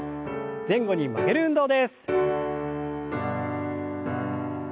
前後に曲げる運動です。